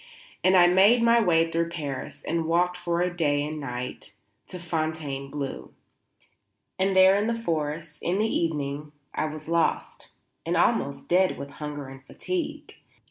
And I made my way through Paris and walked for a day and night to Fontainebleau; and there in the forest, in the evening, I was lost, and almost dead with hunger and fatigue.